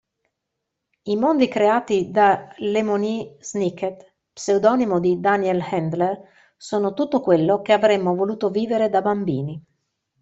I mondi creati da Lemony Snicket pseudonimo di Daniel Handler, sono tutto quello che avremmo voluto vivere da bambini.